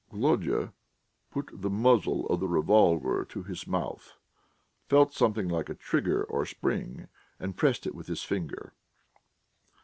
Volodya put the muzzle of the revolver to his mouth, felt something like a trigger or spring, and pressed it with his finger....